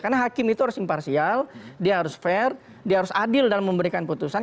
karena hakim itu harus imparsial dia harus fair dia harus adil dalam memberikan putusan